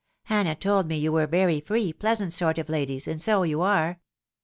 , Hannah told me you were very free, pleasant sort of ladies, and so you are."